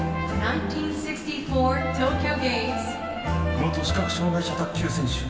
元視覚障がい者卓球選手